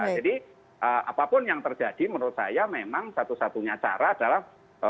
jadi apapun yang terjadi menurut saya memang satu satunya cara adalah